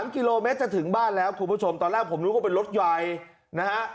พอถึงบ้านแล้วคุณผู้ชมตอนแรกผมรู้ก็เป็นรถไยนะฮะ